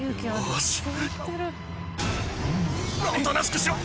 よーしおとなしくしろ！